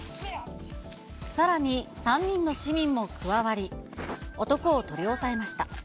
さらに３人の市民も加わり、男を取り押さえました。